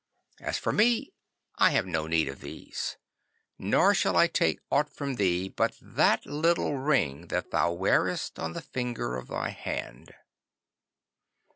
As for me, I have no need of these. Nor shall I take aught from thee but that little ring that thou wearest on the finger of thy hand."